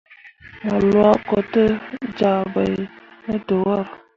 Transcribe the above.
Mo lwa ko te ja bai ne dəwor.